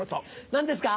何ですか？